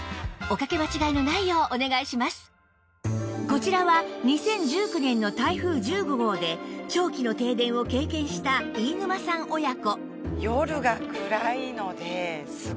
こちらは２０１９年の台風１５号で長期の停電を経験した飯沼さん親子